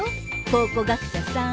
考古学者さん。